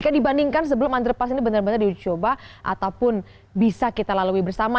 jika dibandingkan sebelum underpass ini benar benar dicoba ataupun bisa kita lalui bersama